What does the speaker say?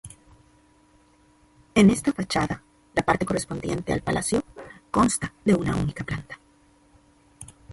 En esta fachada, la parte correspondiente al palacio, consta de una única planta.